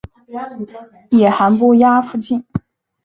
野寒布岬附近。